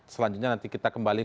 selanjutnya nanti kita kembali